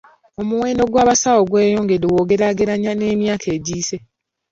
Omuwendo gw'abasawo gweyongedde bw'ogeraageranya n'emyaka egiyise.